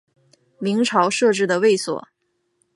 明朝设置的卫所。